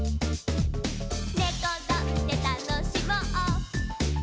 「ねころんでたのしもう」